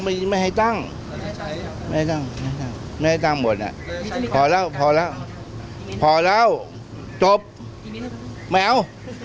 หรือตั้งเวทีผู้ขนาดแต่ว่าจะร่วมมือในการป้องกัน